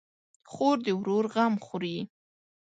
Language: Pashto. خور د ورور غم خوري.